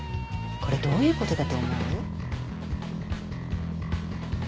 これどういうことだと思う？